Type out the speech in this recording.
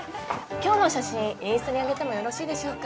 今日の写真インスタにあげてもよろしいでしょうか。